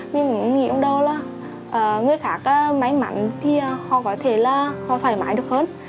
mình cũng nghĩ lúc đầu là người khác may mắn thì họ có thể là họ thoải mái được hơn